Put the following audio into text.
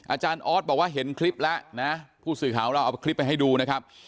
อาจารย์ออสบอกว่าเห็นคลิปแล้วนะผู้สื่อข่าวของเราเอาคลิปไปให้ดูนะครับ